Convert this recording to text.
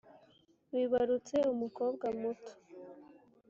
wibarutse umukobwa muto